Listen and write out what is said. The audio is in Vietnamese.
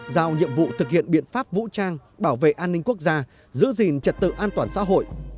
giao nhiệm vụ thực hiện biện pháp vũ trang bảo vệ an ninh quốc gia giữ gìn trật tự an toàn xã hội